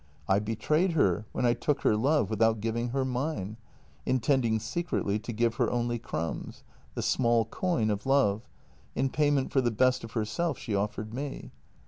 I betrayed her when I took her love without giving her mine — intending secretly to give her only crumbs — the small coin of love — in payment for the best of herself she offered me.